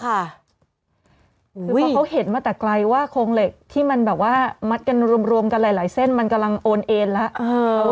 คือเพราะเขาเห็นมาแต่ไกลว่าโครงเหล็กที่มันแบบว่ามัดกันรวมกันหลายเส้นมันกำลังโอนเอนแล้ว